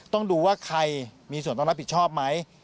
ต้องดูว่าใครมีส่วนต้องรับผิดชอบไหม